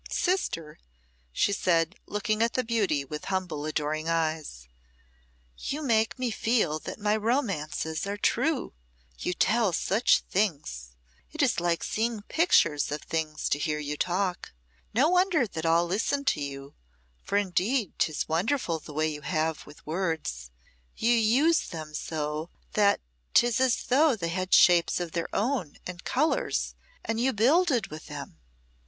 "Sister," she said, looking at the Beauty with humble, adoring eyes, "you make me feel that my romances are true. You tell such things. It is like seeing pictures of things to hear you talk. No wonder that all listen to you, for indeed 'tis wonderful the way you have with words. You use them so that 'tis as though they had shapes of their own and colours, and you builded with them.